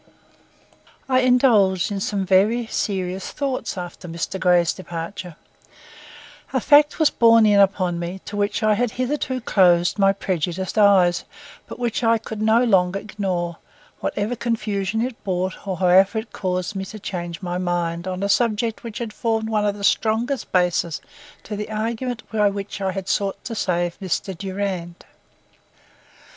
I indulged in some very serious thoughts after Mr. Grey's departure. A fact was borne in upon me to which I had hitherto closed my prejudiced eyes, but which I could no longer ignore, whatever confusion it brought or however it caused me to change my mind on a subject which had formed one of the strongest bases to the argument by which I had sought to save Mr. Durand.